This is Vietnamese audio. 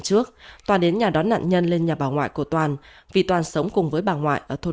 trước tòa đến nhà đón nạn nhân lên nhà bà ngoại của toàn vì toàn sống cùng với bà ngoại ở thôn